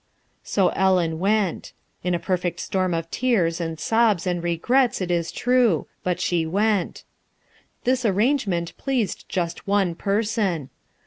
So Ellen went. In a perfect storm of tears and sobs and regrets, it is true ; but she went. This arrangement pleased just one person.